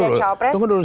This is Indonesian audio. tunggu dulu tunggu dulu